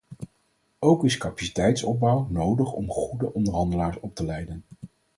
Ook is capaciteitsopbouw nodig om goede onderhandelaars op te leiden.